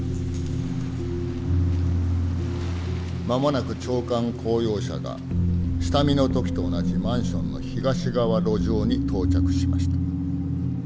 間もなく長官公用車が下見の時と同じマンションの東側路上に到着しました。